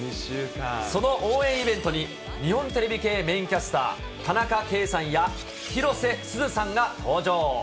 その応援イベントに、日本テレビ系メインキャスター、田中圭さんや、広瀬すずさんが登場。